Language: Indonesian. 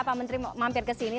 pak menteri mampir kesini